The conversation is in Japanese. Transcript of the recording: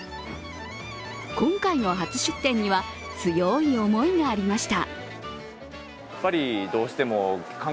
今回の初出店には強い思いがありました。